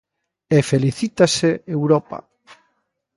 E felicítase Europa.